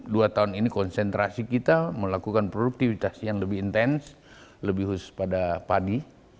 dua tahun ini konsentrasi kita melakukan produktivitas yang lebih intens lebih khusus pada padi